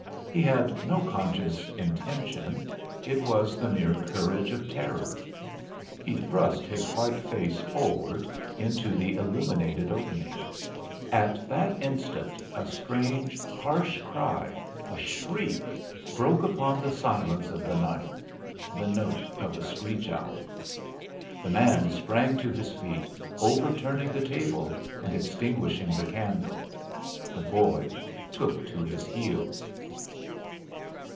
He had no conscious intention it was the mere courage of terror. He thrust his white face forward into the illuminated opening. At that instant a strange, harsh cry, a shriek, broke upon the silence of the night the note of a screech owl. The man sprang to his feet, overturning the table and extinguishing the candle. The boy took to his heels.